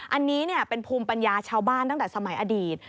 อันนี้เป็นภูมิปัญญาชาวบ้านตั้งแต่สมัยอดีต